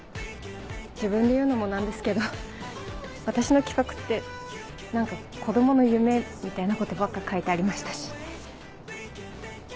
自分で言うのも何ですけど私の企画って何か子供の夢みたいなことばっか書いてありましたし。